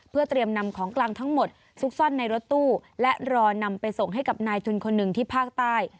เพื่อเตรียมนำของกลางทั้งหมดซุกซ่อนในรถตู้และรอนำไปส่งให้กับนายทุนคนหนึ่งที่ภาคใต้